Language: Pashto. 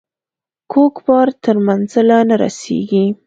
کوږ بار تر منزله نه رسیږي.